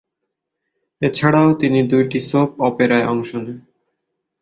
এছাড়াও তিনি দুইটি সোপ অপেরায় অংশ নেন।